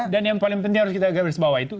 dan yang paling penting harus kita agak bersebawah itu